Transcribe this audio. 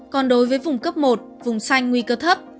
còn đối với vùng cấp một vùng xanh nguy cơ thấp